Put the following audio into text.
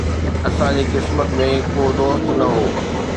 اسان جي قسمت ۾ ڪو دوست نه هو